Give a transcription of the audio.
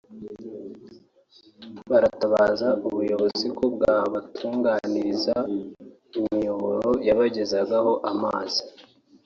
baratabaza ubuyobozi ko bwabatunganiriza imiyoboro yabagezagaho amazi